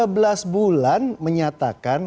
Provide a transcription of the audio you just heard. sebelas bulan menyatakan